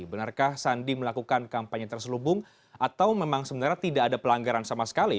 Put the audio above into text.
benarkah sandi melakukan kampanye terselubung atau memang sebenarnya tidak ada pelanggaran sama sekali